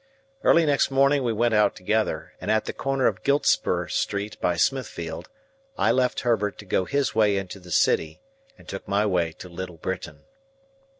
Early next morning we went out together, and at the corner of Giltspur Street by Smithfield, I left Herbert to go his way into the City, and took my way to Little Britain.